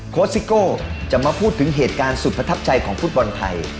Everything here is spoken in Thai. ซิโก้จะมาพูดถึงเหตุการณ์สุดประทับใจของฟุตบอลไทย